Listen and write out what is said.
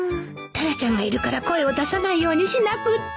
タラちゃんがいるから声を出さないようにしなくっちゃ